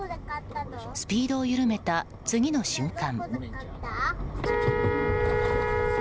スピードを緩めた、次の瞬間。